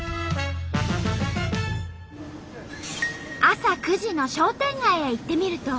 朝９時の商店街へ行ってみると。